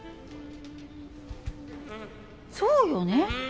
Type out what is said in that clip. そうよね。